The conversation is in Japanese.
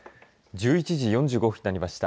１１時４５分になりました。